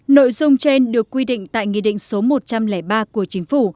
nội dung trên được quy định tại nghị định số một trăm linh ba của chính phủ